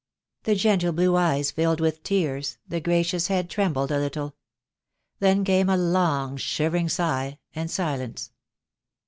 The gentle blue eyes filled with tears, the gracious head trembled a little. Then came a long shivering sigh and silence.